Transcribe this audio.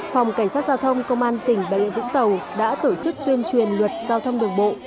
phòng cảnh sát giao thông công an tỉnh bà rịa vũng tàu đã tổ chức tuyên truyền luật giao thông đường bộ